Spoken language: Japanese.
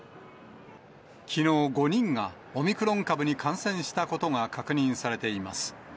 きのう５人が、オミクロン株に感染したことが確認されています。